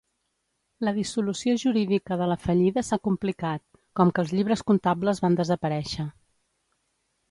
La dissolució jurídica de la fallida s'ha complicat, com que els llibres comptables van desaparèixer.